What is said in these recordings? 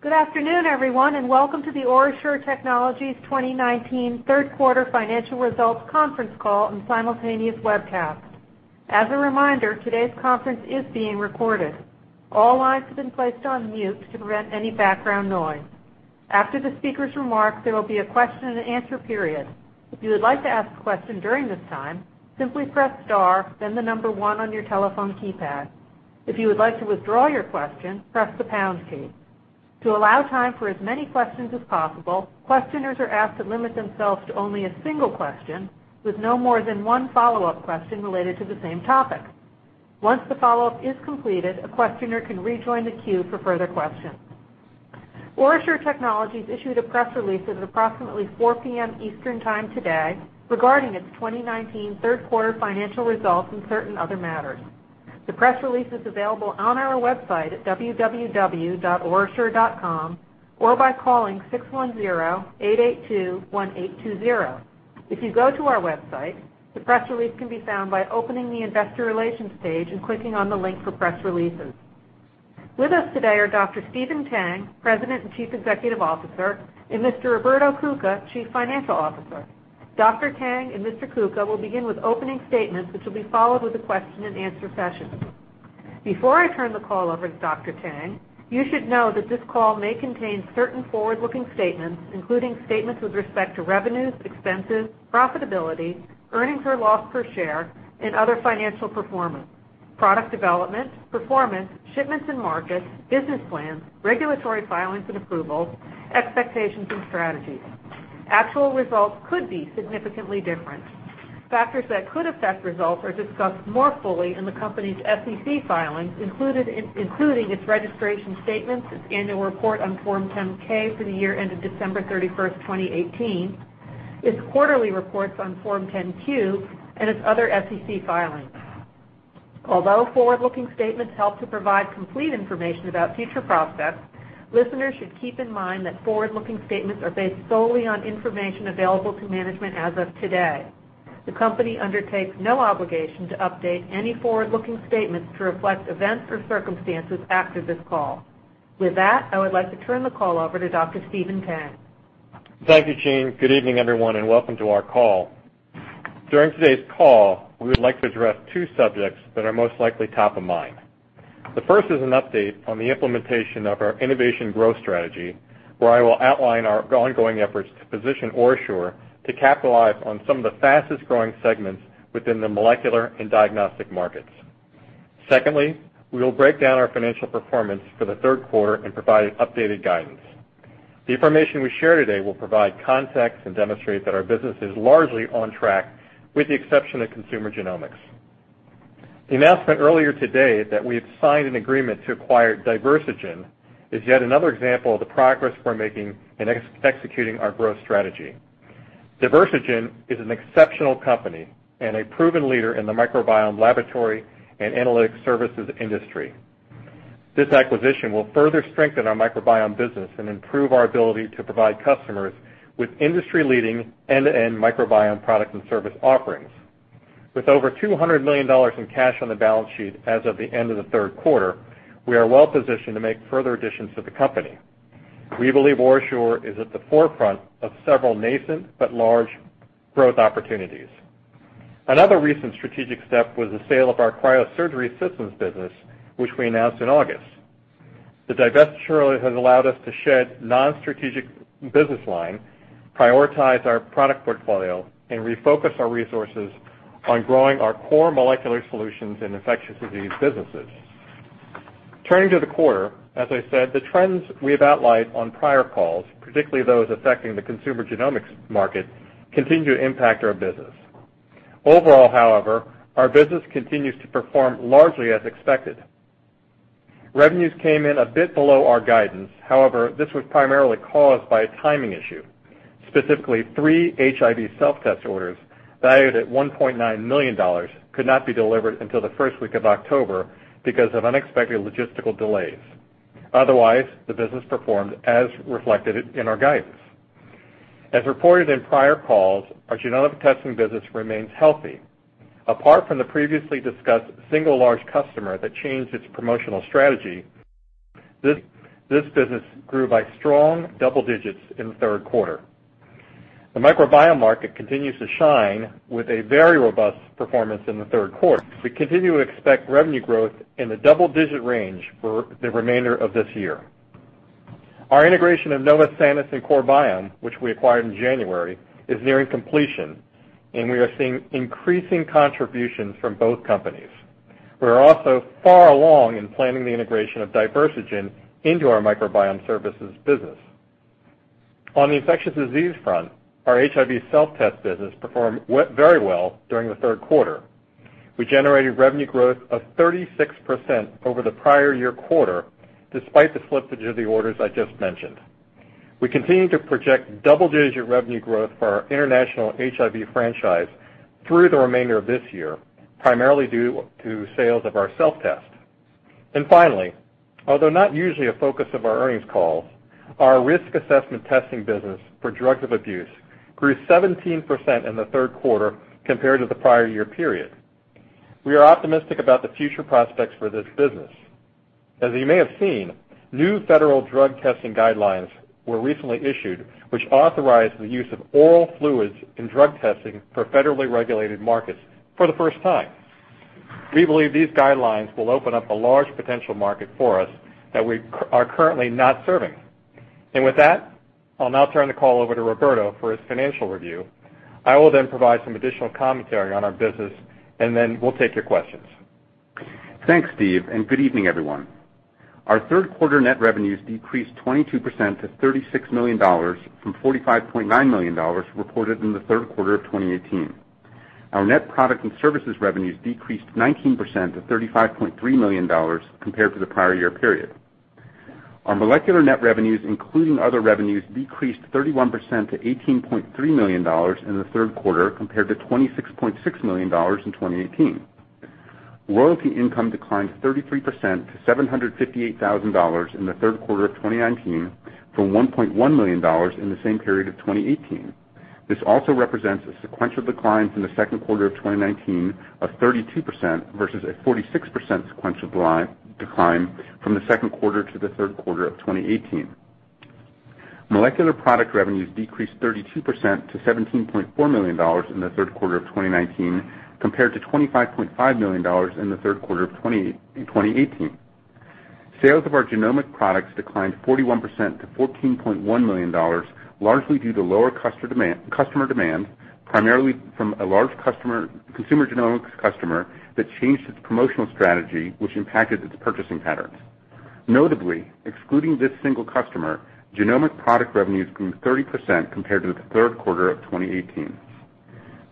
Good afternoon, everyone, and welcome to the OraSure Technologies 2019 third quarter financial results conference call and simultaneous webcast. As a reminder, today's conference is being recorded. All lines have been placed on mute to prevent any background noise. After the speaker's remarks, there will be a question and answer period. If you would like to ask a question during this time, simply press star, then the number one on your telephone keypad. If you would like to withdraw your question, press the pound key. To allow time for as many questions as possible, questioners are asked to limit themselves to only a single question with no more than one follow-up question related to the same topic. Once the follow-up is completed, a questioner can rejoin the queue for further questions. OraSure Technologies issued a press release at approximately 4:00 P.M. Eastern Time today regarding its 2019 third quarter financial results and certain other matters. The press release is available on our website at www.orasure.com or by calling 610-882-1820. If you go to our website, the press release can be found by opening the investor relations page and clicking on the link for press releases. With us today are Dr. Stephen Tang, President and Chief Executive Officer, and Mr. Roberto Cuca, Chief Financial Officer. Dr. Tang and Mr. Cuca will begin with opening statements, which will be followed with a question and answer session. Before I turn the call over to Dr. Stephen Tang, you should know that this call may contain certain forward-looking statements, including statements with respect to revenues, expenses, profitability, earnings or loss per share, and other financial performance, product development, performance, shipments and markets, business plans, regulatory filings and approvals, expectations and strategies. Actual results could be significantly different. Factors that could affect results are discussed more fully in the company's SEC filings, including its registration statements, its annual report on Form 10-K for the year ended December 31st, 2018, its quarterly reports on Form 10-Q, and its other SEC filings. Although forward-looking statements help to provide complete information about future prospects, listeners should keep in mind that forward-looking statements are based solely on information available to management as of today. The company undertakes no obligation to update any forward-looking statements to reflect events or circumstances after this call. With that, I would like to turn the call over to Dr. Stephen Tang. Thank you, Jeanne. Good evening, everyone, and welcome to our call. During today's call, we would like to address two subjects that are most likely top of mind. The first is an update on the implementation of our innovation growth strategy, where I will outline our ongoing efforts to position OraSure to capitalize on some of the fastest-growing segments within the molecular and diagnostic markets. Secondly, we will break down our financial performance for the third quarter and provide updated guidance. The information we share today will provide context and demonstrate that our business is largely on track, with the exception of consumer genomics. The announcement earlier today that we have signed an agreement to acquire Diversigen is yet another example of the progress we're making in executing our growth strategy. Diversigen is an exceptional company and a proven leader in the microbiome laboratory and analytic services industry. This acquisition will further strengthen our microbiome business and improve our ability to provide customers with industry-leading end-to-end microbiome product and service offerings. With over $200 million in cash on the balance sheet as of the end of the third quarter, we are well positioned to make further additions to the company. We believe OraSure is at the forefront of several nascent but large growth opportunities. Another recent strategic step was the sale of our Cryosurgical Systems business, which we announced in August. The divestiture has allowed us to shed non-strategic business line, prioritize our product portfolio, and refocus our resources on growing our core molecular solutions and infectious disease businesses. Turning to the quarter, as I said, the trends we have outlined on prior calls, particularly those affecting the consumer genomics market, continue to impact our business. Overall, however, our business continues to perform largely as expected. Revenues came in a bit below our guidance. This was primarily caused by a timing issue. Specifically, three HIV self-test orders valued at $1.9 million could not be delivered until the first week of October because of unexpected logistical delays. Otherwise, the business performed as reflected in our guidance. As reported in prior calls, our genomic testing business remains healthy. Apart from the previously discussed single large customer that changed its promotional strategy, this business grew by strong double digits in the third quarter. The microbiome market continues to shine with a very robust performance in the third quarter. We continue to expect revenue growth in the double-digit range for the remainder of this year. Our integration of Novosanis and CoreBiome, which we acquired in January, is nearing completion, and we are seeing increasing contributions from both companies. We are also far along in planning the integration of Diversigen into our microbiome services business. On the infectious disease front, our HIV self-test business performed very well during the third quarter. We generated revenue growth of 36% over the prior year quarter, despite the slippage of the orders I just mentioned. We continue to project double-digit revenue growth for our international HIV franchise through the remainder of this year, primarily due to sales of our self-test. Finally, although not usually a focus of our earnings calls, our risk assessment testing business for drugs of abuse grew 17% in the third quarter compared to the prior year period. We are optimistic about the future prospects for this business. As you may have seen, new federal drug testing guidelines were recently issued, which authorized the use of oral fluids in drug testing for federally regulated markets for the first time. We believe these guidelines will open up a large potential market for us that we are currently not serving. With that, I'll now turn the call over to Roberto for his financial review. I will then provide some additional commentary on our business. We'll take your questions. Thanks, Steve, and good evening, everyone. Our third quarter net revenues decreased 22% to $36 million from $45.9 million reported in the third quarter of 2018. Our net product and services revenues decreased 19% to $35.3 million compared to the prior year period. Our molecular net revenues, including other revenues, decreased 31% to $18.3 million in the third quarter, compared to $26.6 million in 2018. Royalty income declined 33% to $758,000 in the third quarter of 2019, from $1.1 million in the same period of 2018. This also represents a sequential decline from the second quarter of 2019 of 32%, versus a 46% sequential decline from the second quarter to the third quarter of 2018. Molecular product revenues decreased 32% to $17.4 million in the third quarter of 2019, compared to $25.5 million in the third quarter of 2018. Sales of our genomic products declined 41% to $14.1 million, largely due to lower customer demand, primarily from a large consumer genomics customer that changed its promotional strategy, which impacted its purchasing patterns. Notably, excluding this single customer, genomic product revenues grew 30% compared to the third quarter of 2018.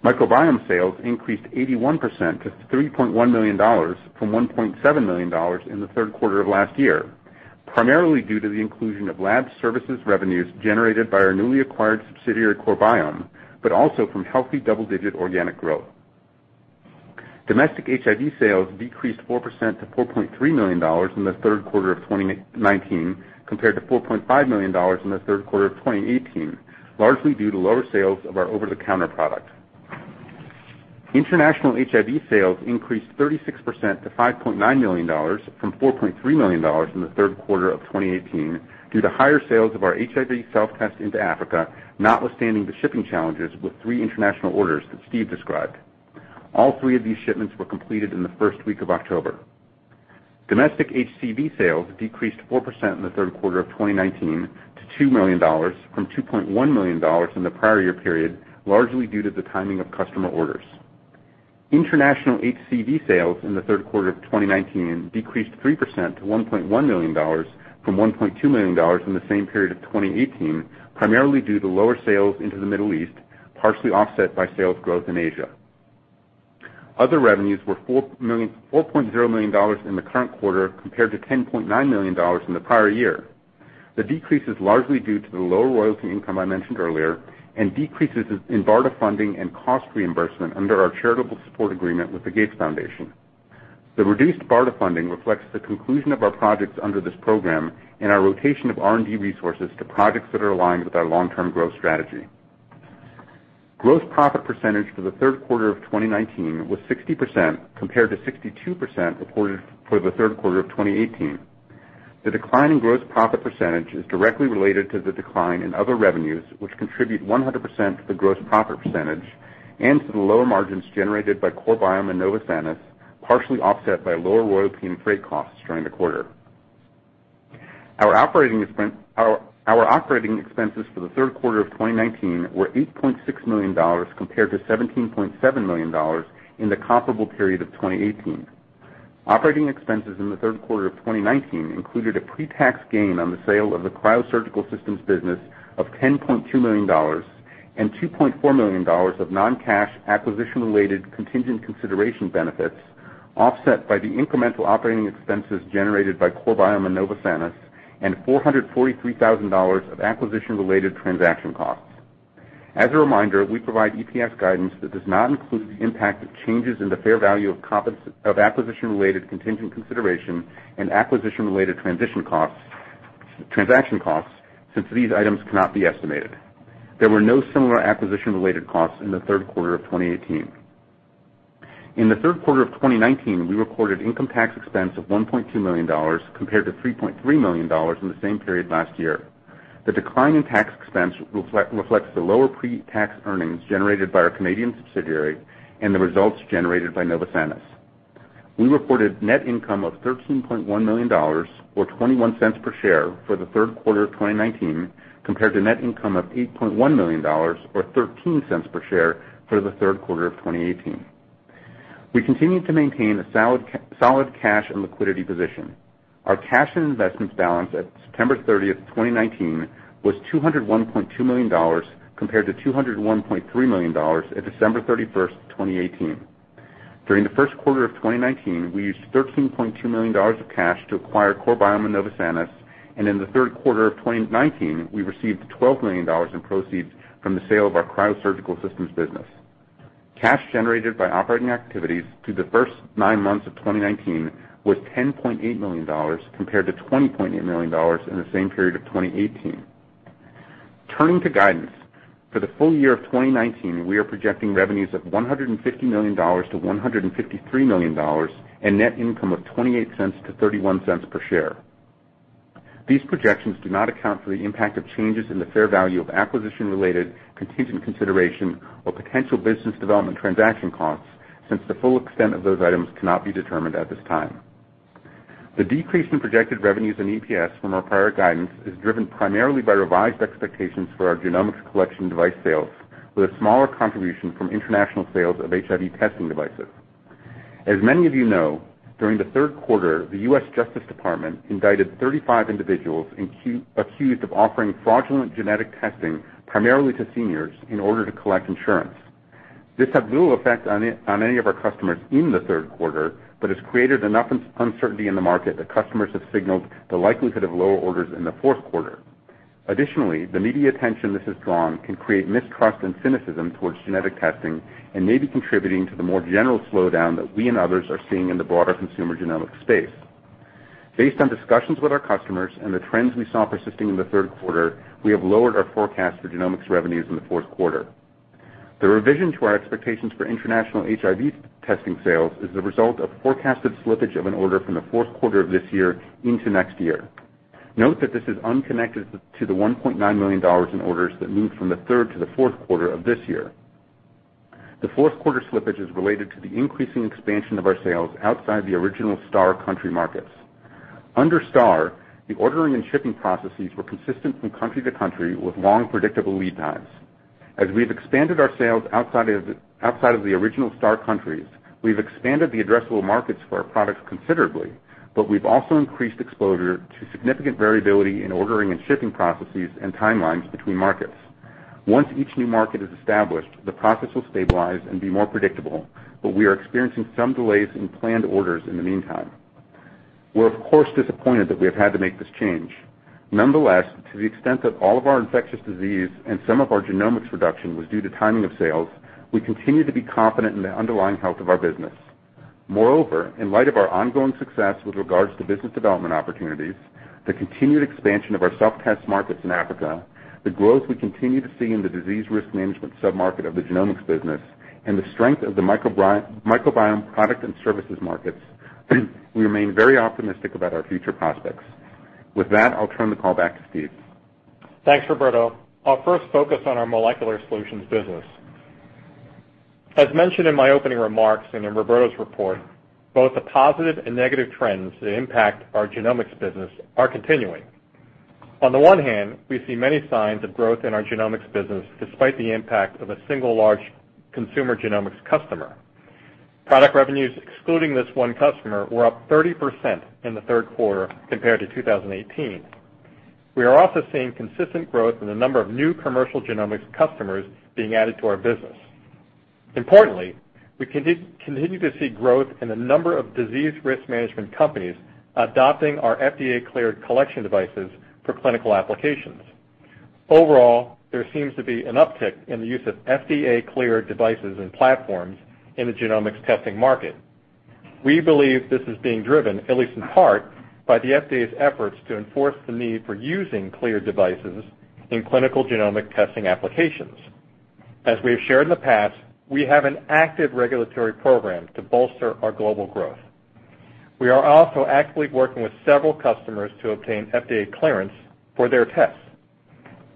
Microbiome sales increased 81% to $3.1 million from $1.7 million in the third quarter of last year, primarily due to the inclusion of lab services revenues generated by our newly acquired subsidiary, CoreBiome, but also from healthy double-digit organic growth. Domestic HIV sales decreased 4% to $4.3 million in the third quarter of 2019, compared to $4.5 million in the third quarter of 2018, largely due to lower sales of our over-the-counter product. International HIV sales increased 36% to $5.9 million from $4.3 million in the third quarter of 2018, due to higher sales of our HIV self-test into Africa, notwithstanding the shipping challenges with three international orders that Steve described. All three of these shipments were completed in the first week of October. Domestic HCV sales decreased 4% in the third quarter of 2019 to $2 million from $2.1 million in the prior year period, largely due to the timing of customer orders. International HCV sales in the third quarter of 2019 decreased 3% to $1.1 million from $1.2 million in the same period of 2018, primarily due to lower sales into the Middle East, partially offset by sales growth in Asia. Other revenues were $4.0 million in the current quarter, compared to $10.9 million in the prior year. The decrease is largely due to the lower royalty income I mentioned earlier and decreases in BARDA funding and cost reimbursement under our charitable support agreement with the Gates Foundation. The reduced BARDA funding reflects the conclusion of our projects under this program and our rotation of R&D resources to projects that are aligned with our long-term growth strategy. Gross profit percentage for the third quarter of 2019 was 60%, compared to 62% reported for the third quarter of 2018. The decline in gross profit percentage is directly related to the decline in other revenues, which contribute 100% to the gross profit percentage and to the lower margins generated by CoreBiome and Novosanis, partially offset by lower royalty and freight costs during the quarter. Our operating expenses for the third quarter of 2019 were $8.6 million, compared to $17.7 million in the comparable period of 2018. Operating expenses in the third quarter of 2019 included a pre-tax gain on the sale of the Cryosurgical Systems business of $10.2 million and $2.4 million of non-cash acquisition-related contingent consideration benefits, offset by the incremental operating expenses generated by CoreBiome and Novosanis and $443,000 of acquisition-related transaction costs. As a reminder, we provide EPS guidance that does not include the impact of changes in the fair value of acquisition-related contingent consideration and acquisition-related transaction costs, since these items cannot be estimated. There were no similar acquisition-related costs in the third quarter of 2018. In the third quarter of 2019, we recorded income tax expense of $1.2 million, compared to $3.3 million in the same period last year. The decline in tax expense reflects the lower pre-tax earnings generated by our Canadian subsidiary and the results generated by Novosanis. We reported net income of $13.1 million or $0.21 per share for the third quarter of 2019, compared to net income of $8.1 million or $0.13 per share for the third quarter of 2018. We continue to maintain a solid cash and liquidity position. Our cash and investments balance at September 30, 2019 was $201.2 million, compared to $201.3 million at December 31, 2018. During the first quarter of 2019, we used $13.2 million of cash to acquire CoreBiome and Novosanis, and in the third quarter of 2019, we received $12 million in proceeds from the sale of our Cryosurgical Systems business. Cash generated by operating activities through the first nine months of 2019 was $10.8 million, compared to $20.8 million in the same period of 2018. Turning to guidance. For the full year of 2019, we are projecting revenues of $150 million to $153 million, and net income of $0.28 to $0.31 per share. These projections do not account for the impact of changes in the fair value of acquisition-related contingent consideration or potential business development transaction costs, since the full extent of those items cannot be determined at this time. The decrease in projected revenues and EPS from our prior guidance is driven primarily by revised expectations for our genomics collection device sales, with a smaller contribution from international sales of HIV testing devices. As many of you know, during the third quarter, the U.S. Department of Justice indicted 35 individuals accused of offering fraudulent genetic testing, primarily to seniors, in order to collect insurance. This had little effect on any of our customers in the third quarter, but has created enough uncertainty in the market that customers have signaled the likelihood of lower orders in the fourth quarter. Additionally, the media attention this has drawn can create mistrust and cynicism towards genetic testing and may be contributing to the more general slowdown that we and others are seeing in the broader consumer genomics space. Based on discussions with our customers and the trends we saw persisting in the third quarter, we have lowered our forecast for genomics revenues in the fourth quarter. The revision to our expectations for international HIV testing sales is the result of forecasted slippage of an order from the fourth quarter of this year into next year. Note that this is unconnected to the $1.9 million in orders that moved from the third to the fourth quarter of this year. The fourth quarter slippage is related to the increasing expansion of our sales outside the original STAR country markets. Under STAR, the ordering and shipping processes were consistent from country to country with long, predictable lead times. As we've expanded our sales outside of the original STAR countries, we've expanded the addressable markets for our products considerably, but we've also increased exposure to significant variability in ordering and shipping processes and timelines between markets. Once each new market is established, the process will stabilize and be more predictable, but we are experiencing some delays in planned orders in the meantime. We're, of course, disappointed that we have had to make this change. Nonetheless, to the extent that all of our infectious disease and some of our genomics reduction was due to timing of sales, we continue to be confident in the underlying health of our business. Moreover, in light of our ongoing success with regards to business development opportunities, the continued expansion of our self-test markets in Africa, the growth we continue to see in the disease risk management sub-market of the genomics business, and the strength of the microbiome product and services markets, we remain very optimistic about our future prospects. With that, I'll turn the call back to Steve. Thanks, Roberto. I'll first focus on our molecular solutions business. As mentioned in my opening remarks and in Roberto's report, both the positive and negative trends that impact our genomics business are continuing. On the one hand, we see many signs of growth in our genomics business despite the impact of a single large consumer genomics customer. Product revenues excluding this one customer were up 30% in the third quarter compared to 2018. We are also seeing consistent growth in the number of new commercial genomics customers being added to our business. Importantly, we continue to see growth in the number of disease risk management companies adopting our FDA-cleared collection devices for clinical applications. Overall, there seems to be an uptick in the use of FDA-cleared devices and platforms in the genomics testing market. We believe this is being driven, at least in part, by the FDA's efforts to enforce the need for using cleared devices in clinical genomic testing applications. As we have shared in the past, we have an active regulatory program to bolster our global growth. We are also actively working with several customers to obtain FDA clearance for their tests.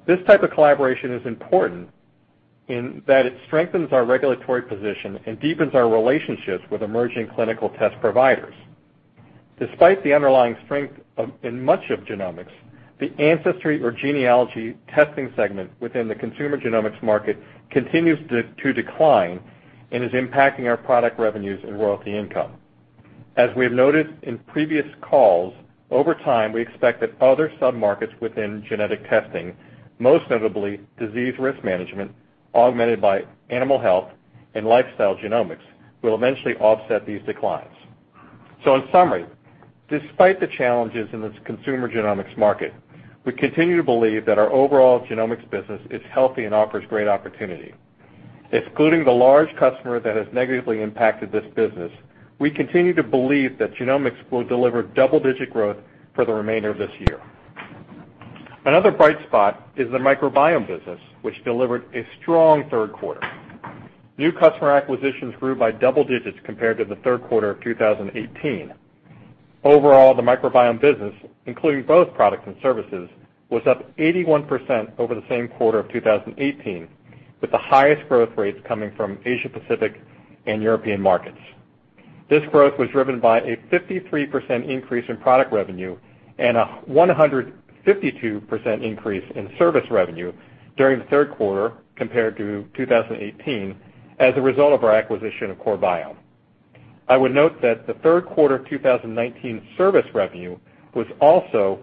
This type of collaboration is important in that it strengthens our regulatory position and deepens our relationships with emerging clinical test providers. Despite the underlying strength in much of genomics, the ancestry or genealogy testing segment within the consumer genomics market continues to decline and is impacting our product revenues and royalty income. As we have noted in previous calls, over time, we expect that other sub-markets within genetic testing, most notably disease risk management, augmented by animal health and lifestyle genomics, will eventually offset these declines. In summary, despite the challenges in this consumer genomics market, we continue to believe that our overall genomics business is healthy and offers great opportunity. Excluding the large customer that has negatively impacted this business, we continue to believe that genomics will deliver double-digit growth for the remainder of this year. Another bright spot is the microbiome business, which delivered a strong third quarter. New customer acquisitions grew by double digits compared to the third quarter of 2018. Overall, the microbiome business, including both products and services, was up 81% over the same quarter of 2018, with the highest growth rates coming from Asia-Pacific and European markets. This growth was driven by a 53% increase in product revenue and a 152% increase in service revenue during the third quarter compared to 2018 as a result of our acquisition of CoreBiome. I would note that the third quarter of 2019 service revenue was also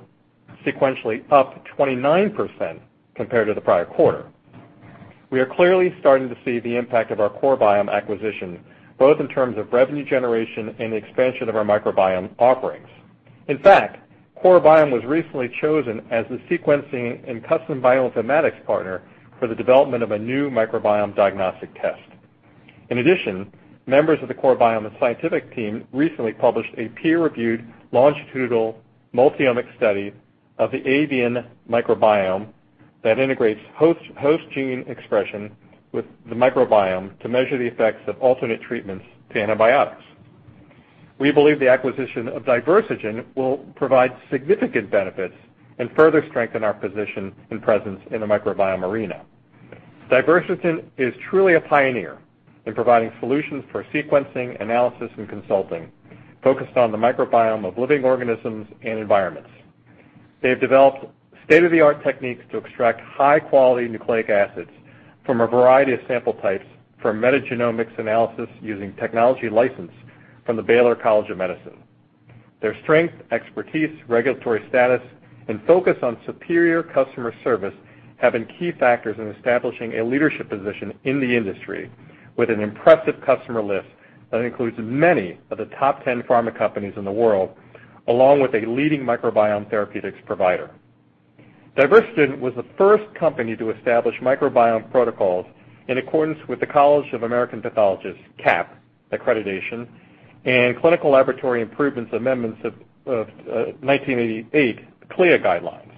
sequentially up 29% compared to the prior quarter. We are clearly starting to see the impact of our CoreBiome acquisition, both in terms of revenue generation and expansion of our microbiome offerings. In fact, CoreBiome was recently chosen as the sequencing and custom bioinformatics partner for the development of a new microbiome diagnostic test. In addition, members of the CoreBiome scientific team recently published a peer-reviewed longitudinal multiomic study of the avian microbiome that integrates host gene expression with the microbiome to measure the effects of alternate treatments to antibiotics. We believe the acquisition of Diversigen will provide significant benefits and further strengthen our position and presence in the microbiome arena. Diversigen is truly a pioneer in providing solutions for sequencing, analysis, and consulting focused on the microbiome of living organisms and environments. They have developed state-of-the-art techniques to extract high-quality nucleic acids from a variety of sample types for metagenomics analysis using technology licensed from the Baylor College of Medicine. Their strength, expertise, regulatory status, and focus on superior customer service have been key factors in establishing a leadership position in the industry with an impressive customer list that includes many of the top 10 pharma companies in the world, along with a leading microbiome therapeutics provider. Diversigen was the first company to establish microbiome protocols in accordance with the College of American Pathologists, CAP accreditation, and Clinical Laboratory Improvement Amendments of 1988, CLIA guidelines.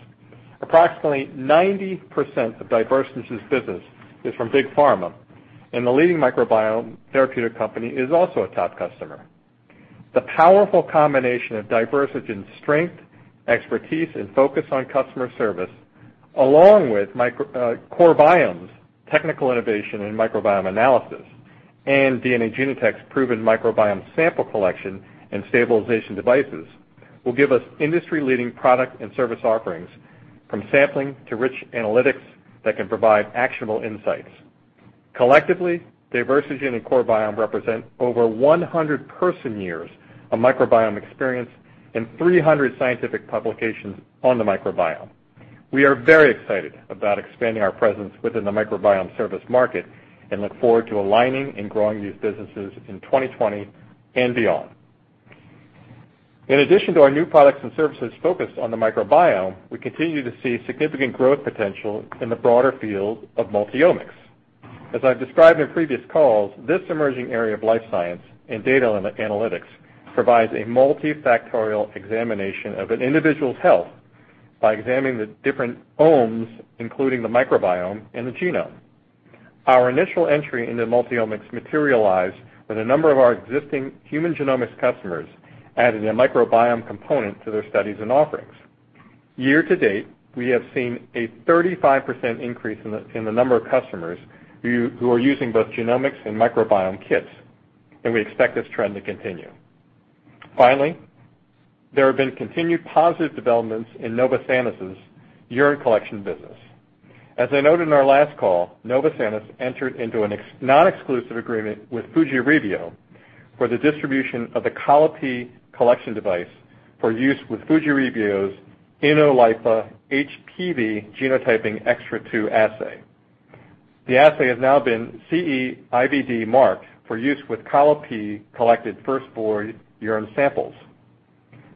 Approximately 90% of Diversigen's business is from big pharma, and the leading microbiome therapeutic company is also a top customer. The powerful combination of Diversigen's strength, expertise, and focus on customer service, along with CoreBiome's technical innovation in microbiome analysis and DNA Genotek's proven microbiome sample collection and stabilization devices will give us industry-leading product and service offerings from sampling to rich analytics that can provide actionable insights. Collectively, Diversigen and CoreBiome represent over 100 person-years of microbiome experience and 300 scientific publications on the microbiome. We are very excited about expanding our presence within the microbiome service market and look forward to aligning and growing these businesses in 2020 and beyond. In addition to our new products and services focused on the microbiome, we continue to see significant growth potential in the broader field of multiomics. As I've described in previous calls, this emerging area of life science and data analytics provides a multifactorial examination of an individual's health by examining the different omes, including the microbiome and the genome. Our initial entry into multiomics materialized when a number of our existing human genomics customers added a microbiome component to their studies and offerings. Year to date, we have seen a 35% increase in the number of customers who are using both genomics and microbiome kits, and we expect this trend to continue. Finally, there have been continued positive developments in Novosanis' urine collection business. As I noted in our last call, Novosanis entered into a non-exclusive agreement with Fujirebio for the distribution of the Colli-Pee collection device for use with Fujirebio's INNO-LiPA HPV Genotyping Extra II assay. The assay has now been CE IVD marked for use with Colli-Pee collected first void urine samples.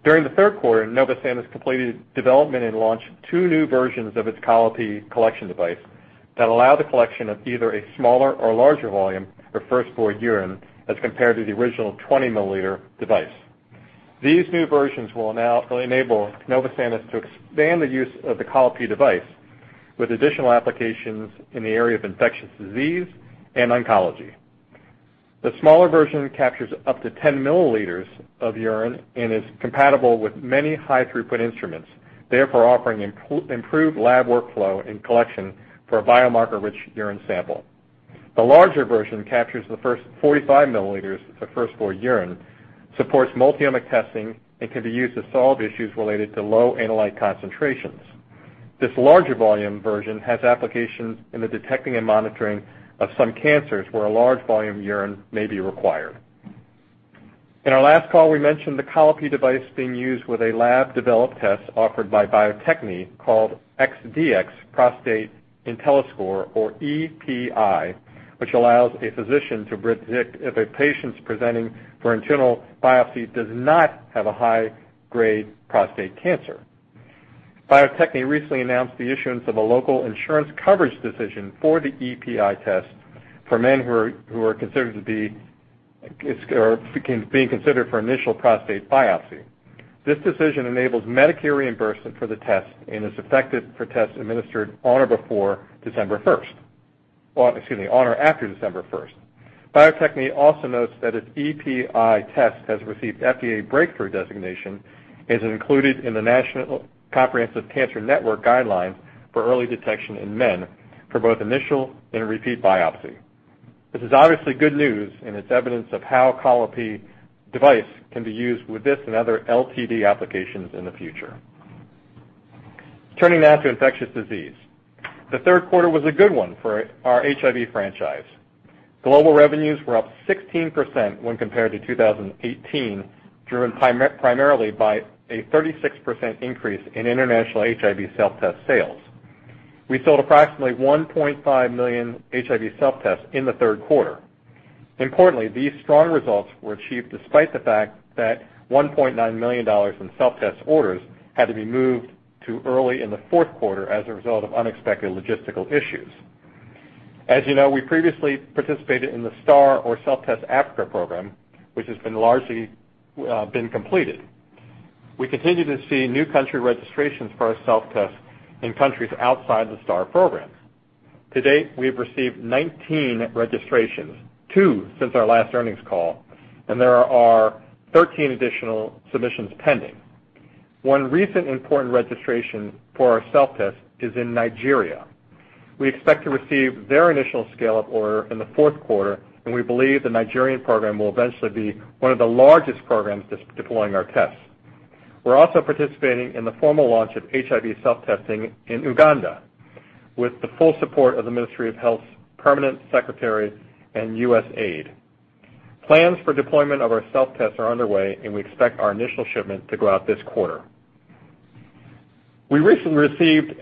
During the third quarter, Novosanis completed development and launched two new versions of its Colli-Pee collection device that allow the collection of either a smaller or larger volume for first void urine as compared to the original 20-milliliter device. These new versions will enable Novosanis to expand the use of the Colli-Pee device with additional applications in the area of infectious disease and oncology. The smaller version captures up to 10 milliliters of urine and is compatible with many high throughput instruments, therefore offering improved lab workflow and collection for a biomarker-rich urine sample. The larger version captures the first 45 milliliters of first void urine, supports multiomic testing, and can be used to solve issues related to low analyte concentrations. This larger volume version has applications in the detecting and monitoring of some cancers where a large volume urine may be required. In our last call, we mentioned the Colli-Pee device being used with a lab-developed test offered by Bio-Techne called ExoDx Prostate (IntelliScore) or EPI, which allows a physician to predict if a patient presenting for initial biopsy does not have a high-grade prostate cancer. Bio-Techne recently announced the issuance of a local insurance coverage decision for the EPI test for men who are being considered for initial prostate biopsy. This decision enables Medicare reimbursement for the test and is effective for tests administered on or after December 1st. Bio-Techne also notes that its EPI test has received FDA Breakthrough Device Designation and is included in the National Comprehensive Cancer Network guidelines for early detection in men for both initial and repeat biopsy. This is obviously good news, and it's evidence of how Colli-Pee device can be used with this and other LDT applications in the future. Turning now to infectious disease. The third quarter was a good one for our HIV franchise. Global revenues were up 16% when compared to 2018, driven primarily by a 36% increase in international HIV self-test sales. We sold approximately 1.5 million HIV self-tests in the third quarter. Importantly, these strong results were achieved despite the fact that $1.9 million in self-test orders had to be moved to early in the fourth quarter as a result of unexpected logistical issues. As you know, we previously participated in the STAR, or Self-Testing Africa program, which has been largely completed. We continue to see new country registrations for our self-test in countries outside the STAR program. To date, we have received 19 registrations, two since our last earnings call, and there are 13 additional submissions pending. One recent important registration for our self-test is in Nigeria. We expect to receive their initial scale-up order in the fourth quarter, and we believe the Nigerian program will eventually be one of the largest programs deploying our tests. We're also participating in the formal launch of HIV self-testing in Uganda with the full support of the Ministry of Health's permanent secretary and USAID. Plans for deployment of our self-tests are underway, and we expect our initial shipment to go out this quarter. We recently received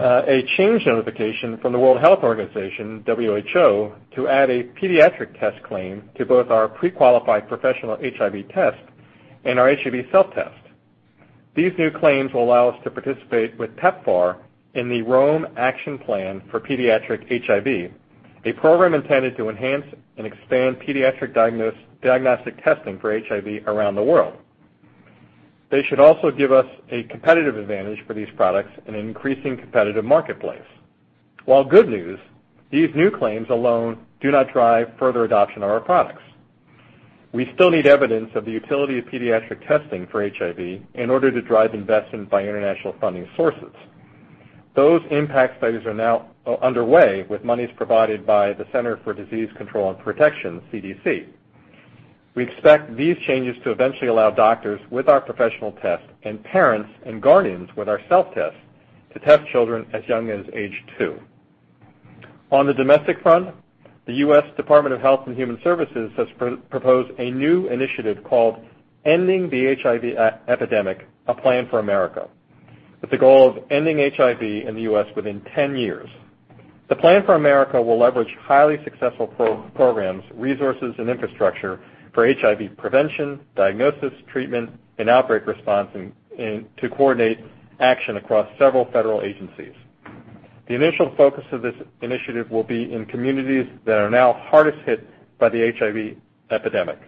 a change notification from the World Health Organization, WHO, to add a pediatric test claim to both our pre-qualified professional HIV test and our HIV self-test. These new claims will allow us to participate with PEPFAR in the Rome Action Plan for Pediatric HIV, a program intended to enhance and expand pediatric diagnostic testing for HIV around the world. They should also give us a competitive advantage for these products in an increasing competitive marketplace. While good news, these new claims alone do not drive further adoption of our products. We still need evidence of the utility of pediatric testing for HIV in order to drive investment by international funding sources. Those impact studies are now underway with monies provided by the Centers for Disease Control and Prevention, CDC. We expect these changes to eventually allow doctors with our professional test and parents and guardians with our self-test to test children as young as age 2. On the domestic front, the U.S. Department of Health and Human Services has proposed a new initiative called Ending the HIV Epidemic, a Plan for America, with the goal of ending HIV in the U.S. within 10 years. The Plan for America will leverage highly successful programs, resources, and infrastructure for HIV prevention, diagnosis, treatment, and outbreak response to coordinate action across several federal agencies. The initial focus of this initiative will be in communities that are now hardest hit by the HIV epidemic.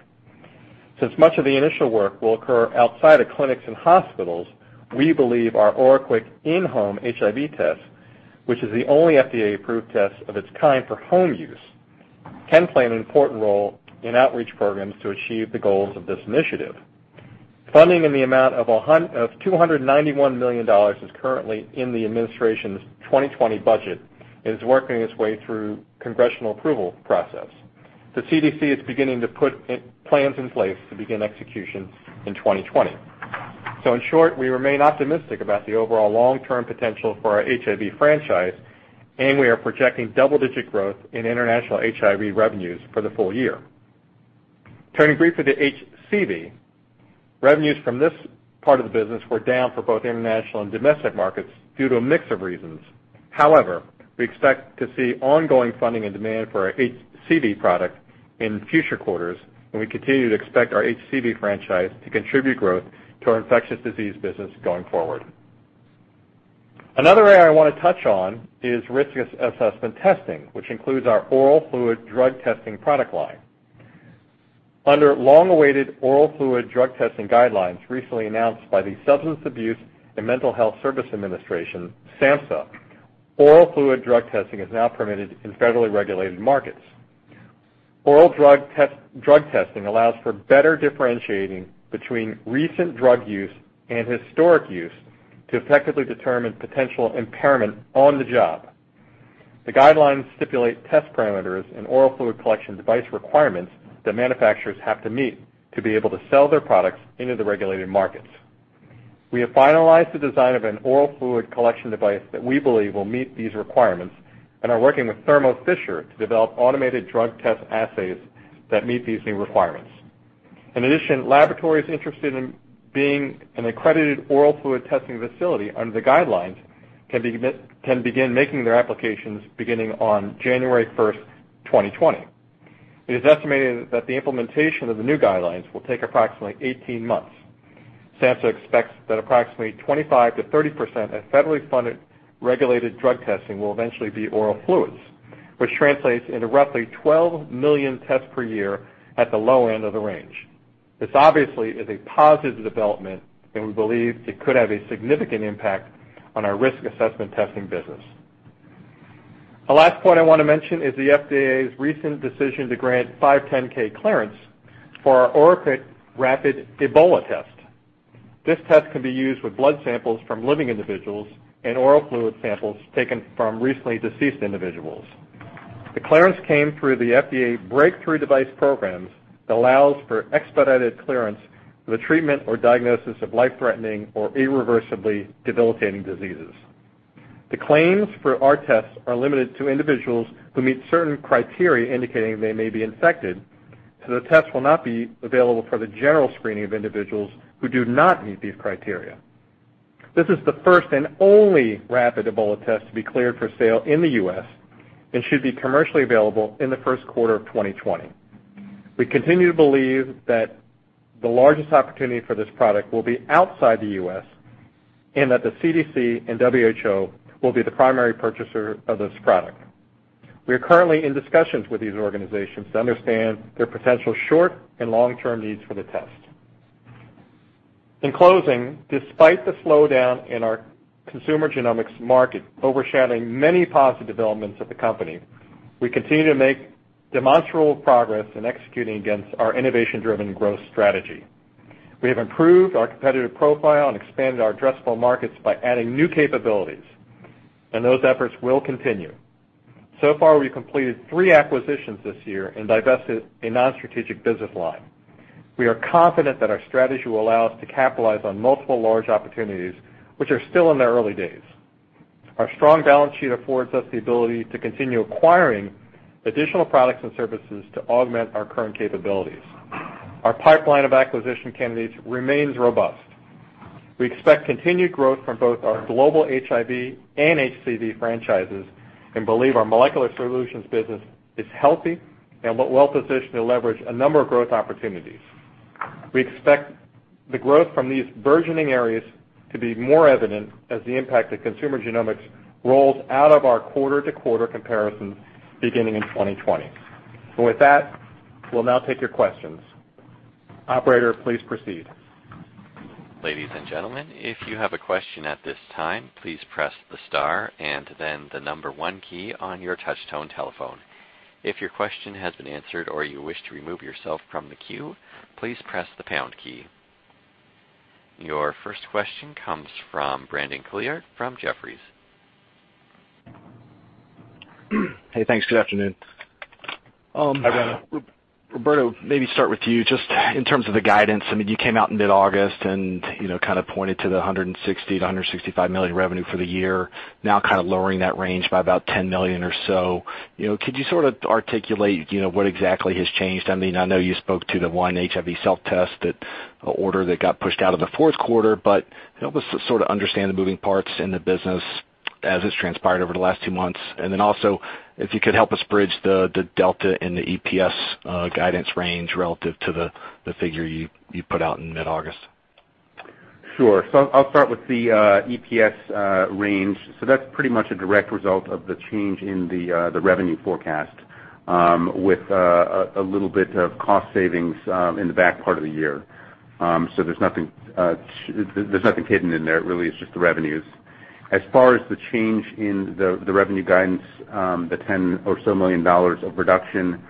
Since much of the initial work will occur outside of clinics and hospitals, we believe our OraQuick in-home HIV test, which is the only FDA-approved test of its kind for home use, can play an important role in outreach programs to achieve the goals of this initiative. Funding in the amount of $291 million is currently in the administration's 2020 budget and is working its way through congressional approval process. The CDC is beginning to put plans in place to begin execution in 2020. In short, we remain optimistic about the overall long-term potential for our HIV franchise, and we are projecting double-digit growth in international HIV revenues for the full year. Turning briefly to HCV, revenues from this part of the business were down for both international and domestic markets due to a mix of reasons. However, we expect to see ongoing funding and demand for our HCV product in future quarters, and we continue to expect our HCV franchise to contribute growth to our infectious disease business going forward. Another area I want to touch on is risk assessment testing, which includes our oral fluid drug testing product line. Under long-awaited oral fluid drug testing guidelines recently announced by the Substance Abuse and Mental Health Services Administration, SAMHSA, oral fluid drug testing is now permitted in federally regulated markets. Oral drug testing allows for better differentiating between recent drug use and historic use to effectively determine potential impairment on the job. The guidelines stipulate test parameters and oral fluid collection device requirements that manufacturers have to meet to be able to sell their products into the regulated markets. We have finalized the design of an oral fluid collection device that we believe will meet these requirements and are working with Thermo Fisher to develop automated drug test assays that meet these new requirements. In addition, laboratories interested in being an accredited oral fluid testing facility under the guidelines can begin making their applications beginning on January first, 2020. It is estimated that the implementation of the new guidelines will take approximately 18 months. SAMHSA expects that approximately 25%-30% of federally funded regulated drug testing will eventually be oral fluids, which translates into roughly 12 million tests per year at the low end of the range. This obviously is a positive development, and we believe it could have a significant impact on our risk assessment testing business. The last point I want to mention is the FDA's recent decision to grant 510(k) clearance for our OraQuick rapid Ebola test. This test can be used with blood samples from living individuals and oral fluid samples taken from recently deceased individuals. The clearance came through the FDA Breakthrough Devices Program that allows for expedited clearance for the treatment or diagnosis of life-threatening or irreversibly debilitating diseases. The claims for our tests are limited to individuals who meet certain criteria indicating they may be infected, so the test will not be available for the general screening of individuals who do not meet these criteria. This is the first and only rapid Ebola test to be cleared for sale in the U.S. and should be commercially available in the first quarter of 2020. We continue to believe that the largest opportunity for this product will be outside the U.S. and that the CDC and WHO will be the primary purchaser of this product. We are currently in discussions with these organizations to understand their potential short and long-term needs for the test. In closing, despite the slowdown in our consumer genomics market overshadowing many positive developments of the company, we continue to make demonstrable progress in executing against our innovation-driven growth strategy. We have improved our competitive profile and expanded our addressable markets by adding new capabilities, and those efforts will continue. So far, we've completed three acquisitions this year and divested a non-strategic business line. We are confident that our strategy will allow us to capitalize on multiple large opportunities, which are still in their early days. Our strong balance sheet affords us the ability to continue acquiring additional products and services to augment our current capabilities. Our pipeline of acquisition candidates remains robust. We expect continued growth from both our global HIV and HCV franchises and believe our molecular solutions business is healthy and well-positioned to leverage a number of growth opportunities. We expect the growth from these burgeoning areas to be more evident as the impact of consumer genomics rolls out of our quarter-to-quarter comparisons beginning in 2020. With that, we'll now take your questions. Operator, please proceed. Ladies and gentlemen, if you have a question at this time, please press the star and then the number 1 key on your touch-tone telephone. If your question has been answered or you wish to remove yourself from the queue, please press the pound key. Your first question comes from Brandon Couillard from Jefferies. Hey, thanks. Good afternoon. Hi, Brandon. Roberto, maybe start with you just in terms of the guidance. You came out in mid-August and kind of pointed to the $160 million-$165 million revenue for the year, now kind of lowering that range by about $10 million or so. Could you sort of articulate what exactly has changed? I know you spoke to the one HIV self-test order that got pushed out of the fourth quarter, but help us sort of understand the moving parts in the business as it's transpired over the last two months, and then also, if you could help us bridge the delta in the EPS guidance range relative to the figure you put out in mid-August. Sure. I'll start with the EPS range. That's pretty much a direct result of the change in the revenue forecast, with a little bit of cost savings in the back part of the year. There's nothing hidden in there, really. It's just the revenues. As far as the change in the revenue guidance, the $10 million or so of reduction,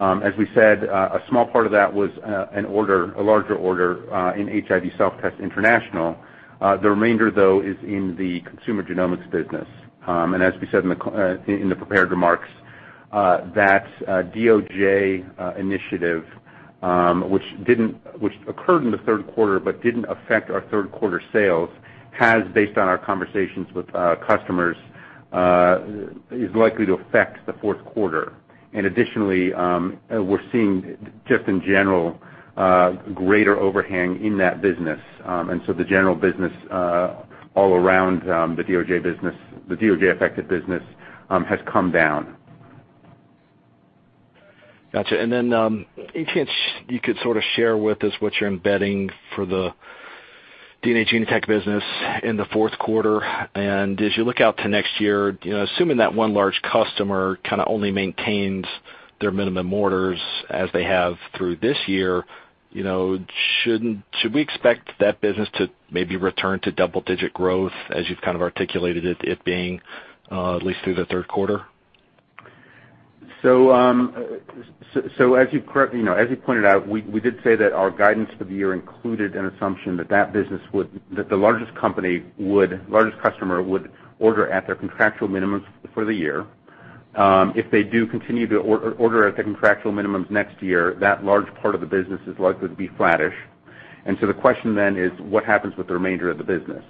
as we said, a small part of that was a larger order in HIV self-test international. The remainder, though, is in the consumer genomics business. As we said in the prepared remarks, that DOJ initiative, which occurred in the third quarter but didn't affect our third quarter sales, based on our conversations with customers, is likely to affect the fourth quarter. Additionally, we're seeing, just in general, greater overhang in that business. The general business all around the DOJ-affected business has come down. Got you. If you could sort of share with us what you're embedding for the DNA Genotek business in the fourth quarter. As you look out to next year, assuming that one large customer only maintains their minimum orders as they have through this year, should we expect that business to maybe return to double-digit growth, as you've kind of articulated it being, at least through the third quarter? As you pointed out, we did say that our guidance for the year included an assumption that the largest customer would order at their contractual minimums for the year. If they do continue to order at the contractual minimums next year, that large part of the business is likely to be flattish. The question then is, what happens with the remainder of the business?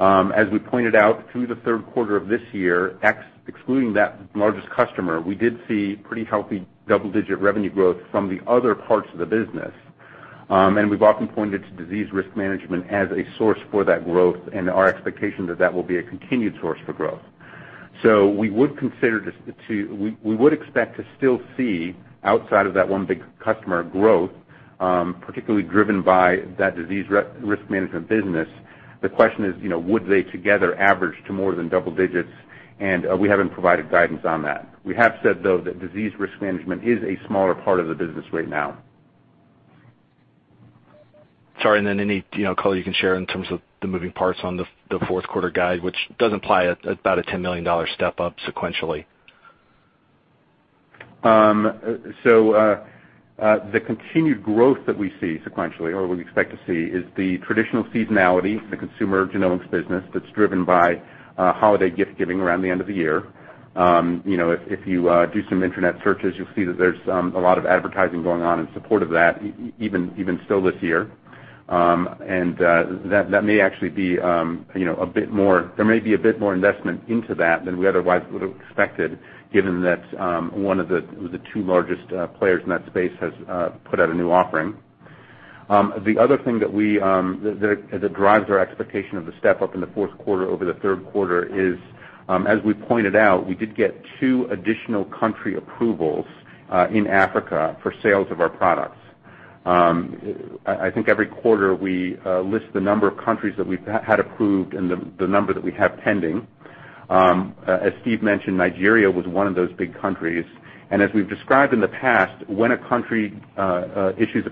As we pointed out through the third quarter of this year, excluding that largest customer, we did see pretty healthy double-digit revenue growth from the other parts of the business. We've often pointed to disease risk management as a source for that growth and our expectation that that will be a continued source for growth. We would expect to still see outside of that one big customer growth, particularly driven by that disease risk management business. The question is, would they together average to more than double digits? We haven't provided guidance on that. We have said, though, that disease risk management is a smaller part of the business right now. Sorry, any color you can share in terms of the moving parts on the fourth quarter guide, which does imply about a $10 million step-up sequentially? The continued growth that we see sequentially or we expect to see is the traditional seasonality in the consumer genomics business that's driven by holiday gift-giving around the end of the year. If you do some internet searches, you'll see that there's a lot of advertising going on in support of that, even still this year. There may be a bit more investment into that than we otherwise would have expected, given that one of the two largest players in that space has put out a new offering. The other thing that drives our expectation of the step-up in the fourth quarter over the third quarter is, as we pointed out, we did get two additional country approvals in Africa for sales of our products. I think every quarter, we list the number of countries that we've had approved and the number that we have pending. As Steve mentioned, Nigeria was one of those big countries. As we've described in the past, when a country issues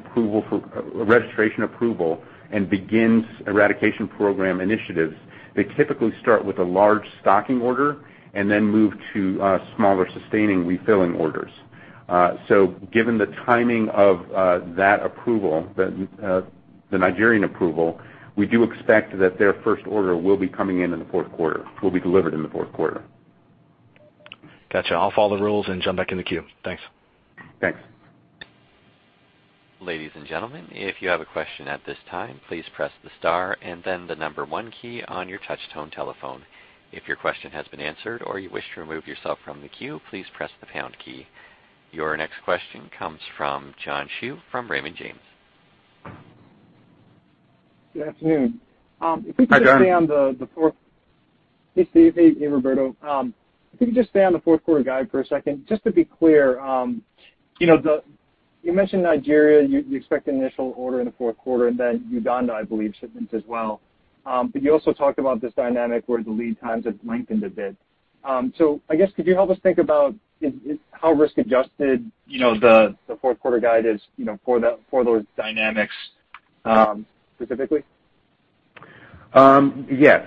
registration approval and begins eradication program initiatives, they typically start with a large stocking order and then move to smaller sustaining refilling orders. Given the timing of that approval, the Nigerian approval, we do expect that their first order will be coming in the fourth quarter. Will be delivered in the fourth quarter. Got you. I'll follow the rules and jump back in the queue. Thanks. Thanks. Ladies and gentlemen, if you have a question at this time, please press the star and then the number one key on your touch-tone telephone. If your question has been answered or you wish to remove yourself from the queue, please press the pound key. Your next question comes from John Hsu from Raymond James. Good afternoon. Hi, John. Hey, Steve. Hey, Roberto. If we could just stay on the fourth quarter guide for a second. Just to be clear, you mentioned Nigeria, you expect initial order in the fourth quarter, and then Uganda, I believe, shipment as well. You also talked about this dynamic where the lead times have lengthened a bit. I guess could you help us think about how risk-adjusted the fourth quarter guide is for those dynamics, specifically? Yes.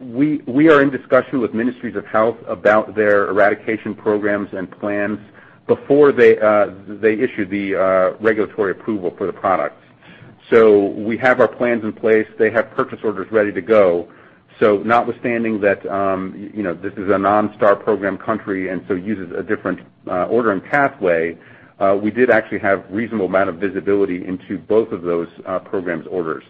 We are in discussion with Ministries of Health about their eradication programs and plans before they issue the regulatory approval for the product. We have our plans in place. They have purchase orders ready to go. Notwithstanding that this is a non-STAR program country and so uses a different ordering pathway, we did actually have reasonable amount of visibility into both of those programs' orders.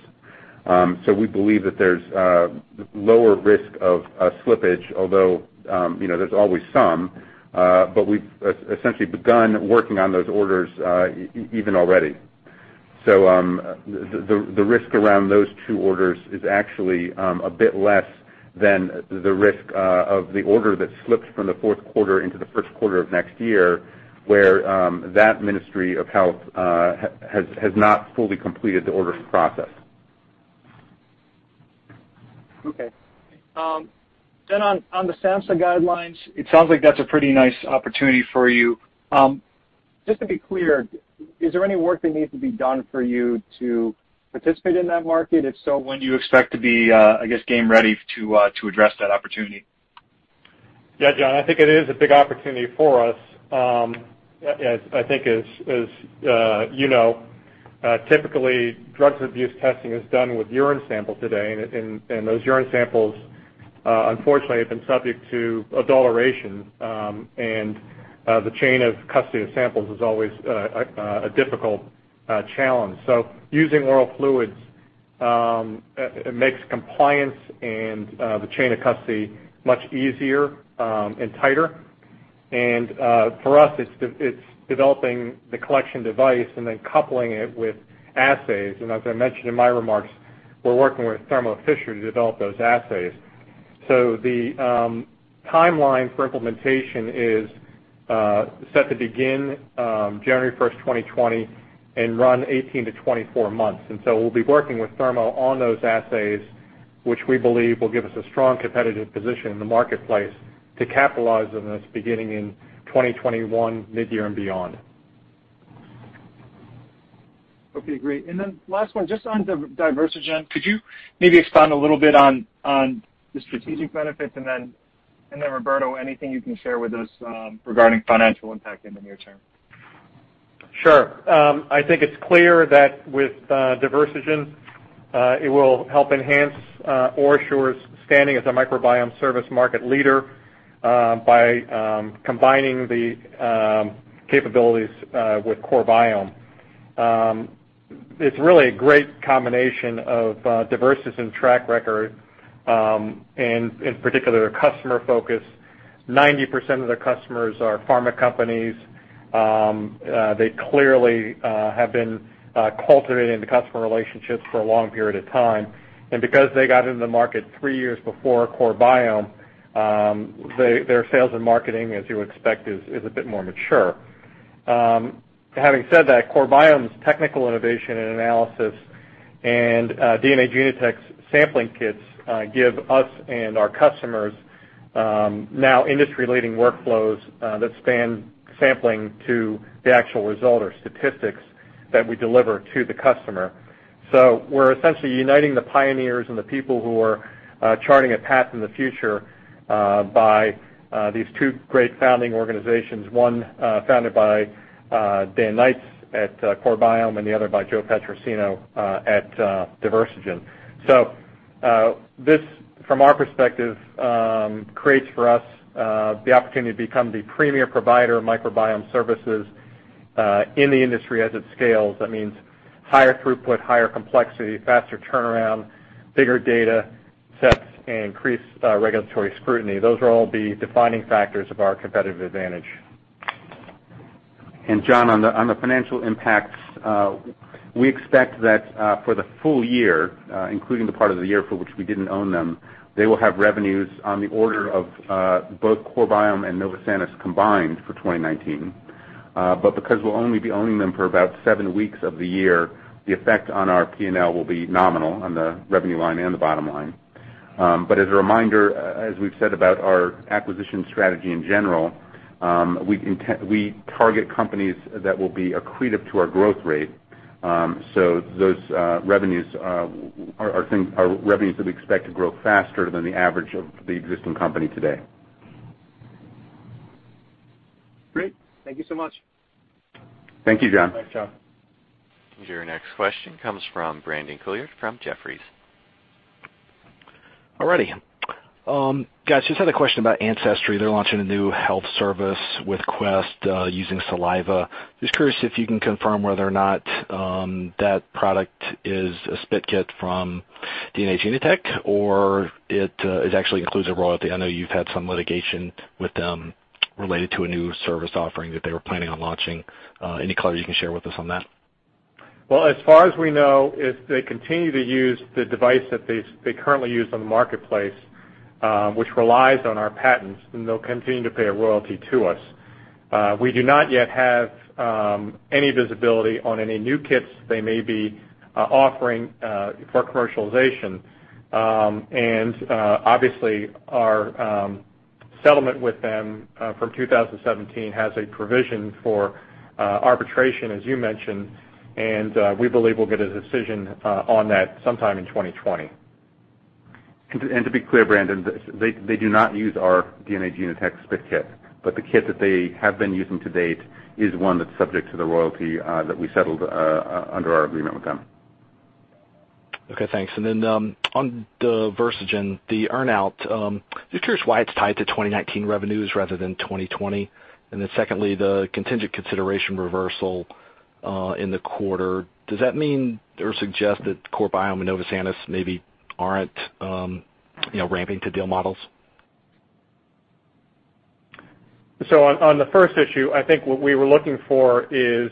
We believe that there's lower risk of slippage, although there's always some, but we've essentially begun working on those orders even already. The risk around those two orders is actually a bit less than the risk of the order that slips from the fourth quarter into the first quarter of next year, where that Ministry of Health has not fully completed the ordering process. Okay. On the SAMHSA guidelines, it sounds like that's a pretty nice opportunity for you. Just to be clear, is there any work that needs to be done for you to participate in that market? If so, when do you expect to be, I guess, game ready to address that opportunity? Yeah, John, I think it is a big opportunity for us. As I think as you know, typically, drugs abuse testing is done with urine samples today, and those urine samples, unfortunately, have been subject to adulteration. The chain of custody of samples is always a difficult challenge. Using oral fluids, it makes compliance and the chain of custody much easier and tighter. For us, it's developing the collection device and then coupling it with assays. As I mentioned in my remarks, we're working with Thermo Fisher to develop those assays. The timeline for implementation is set to begin January 1st, 2020 and run 18-24 months. We'll be working with Thermo on those assays, which we believe will give us a strong competitive position in the marketplace to capitalize on this beginning in 2021 mid-year and beyond. Okay, great. Last one, just on Diversigen, could you maybe expand a little bit on the strategic benefits? Roberto, anything you can share with us regarding financial impact in the near term? Sure. I think it's clear that with Diversigen, it will help enhance OraSure Technologies's standing as a microbiome service market leader, by combining the capabilities with CoreBiome. It's really a great combination of Diversigen's track record, and in particular, customer focus. 90% of their customers are pharma companies. They clearly have been cultivating the customer relationships for a long period of time. Because they got into the market three years before CoreBiome, their sales and marketing, as you would expect, is a bit more mature. Having said that, CoreBiome's technical innovation and analysis and DNA Genotek's sampling kits give us and our customers now industry-leading workflows that span sampling to the actual result or statistics that we deliver to the customer. We're essentially uniting the pioneers and the people who are charting a path in the future, by these two great founding organizations. One founded by Dan Knights at CoreBiome, and the other by Joe Petrosino at Diversigen. This, from our perspective, creates for us the opportunity to become the premier provider of microbiome services, in the industry as it scales. That means higher throughput, higher complexity, faster turnaround, bigger data sets, and increased regulatory scrutiny. Those will all be defining factors of our competitive advantage. John, on the financial impacts. We expect that for the full year, including the part of the year for which we didn't own them, they will have revenues on the order of both CoreBiome and Novosanis combined for 2019. Because we'll only be owning them for about seven weeks of the year, the effect on our P&L will be nominal on the revenue line and the bottom line. As a reminder, as we've said about our acquisition strategy in general, we target companies that will be accretive to our growth rate. Those revenues are revenues that we expect to grow faster than the average of the existing company today. Great. Thank you so much. Thank you, John. Thanks, John. Your next question comes from Brandon Couillard from Jefferies. All righty. Guys, just had a question about Ancestry. They're launching a new health service with Quest using saliva. Just curious if you can confirm whether or not that product is a spit kit from DNA Genotek, or it actually includes a royalty. I know you've had some litigation with them related to a new service offering that they were planning on launching. Any color you can share with us on that? Well, as far as we know, if they continue to use the device that they currently use on the marketplace, which relies on our patents, then they'll continue to pay a royalty to us. We do not yet have any visibility on any new kits they may be offering for commercialization. Obviously our settlement with them from 2017 has a provision for arbitration, as you mentioned, and we believe we'll get a decision on that sometime in 2020. To be clear, Brandon, they do not use our DNA Genotek spit kit, but the kit that they have been using to date is one that's subject to the royalty that we settled under our agreement with them. Okay, thanks. On the Diversigen, the earn-out, just curious why it's tied to 2019 revenues rather than 2020. Secondly, the contingent consideration reversal in the quarter, does that mean or suggest that CoreBiome and Novosanis maybe aren't ramping to deal models? On the first issue, I think what we were looking for is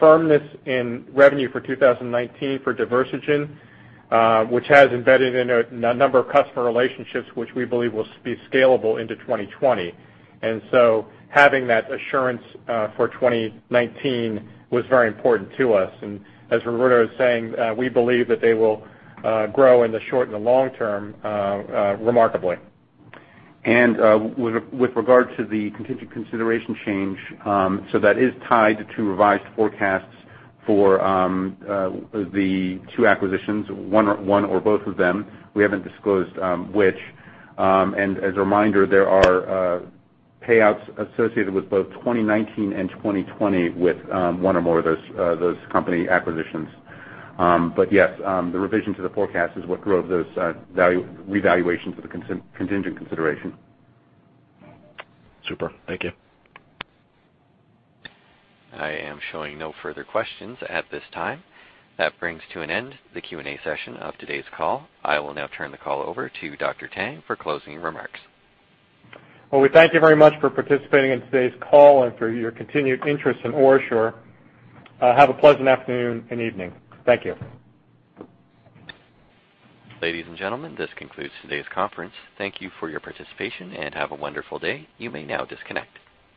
firmness in revenue for 2019 for Diversigen, which has embedded in it a number of customer relationships, which we believe will be scalable into 2020. Having that assurance for 2019 was very important to us. As Roberto was saying, we believe that they will grow in the short and the long term remarkably. With regard to the contingent consideration change, that is tied to revised forecasts for the two acquisitions, one or both of them. We haven't disclosed which. As a reminder, there are payouts associated with both 2019 and 2020 with one or more of those company acquisitions. Yes, the revision to the forecast is what drove those revaluations of the contingent consideration. Super. Thank you. I am showing no further questions at this time. That brings to an end the Q&A session of today's call. I will now turn the call over to Dr. Tang for closing remarks. Well, we thank you very much for participating in today's call and for your continued interest in OraSure. Have a pleasant afternoon and evening. Thank you. Ladies and gentlemen, this concludes today's conference. Thank you for your participation, and have a wonderful day. You may now disconnect.